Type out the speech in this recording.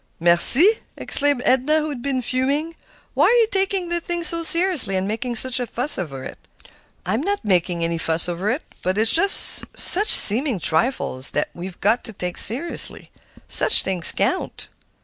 "Mercy!" exclaimed Edna, who had been fuming. "Why are you taking the thing so seriously and making such a fuss over it?" "I'm not making any fuss over it. But it's just such seeming trifles that we've got to take seriously; such things count."